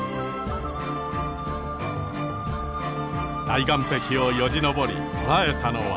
大岩壁をよじ登り捉えたのは。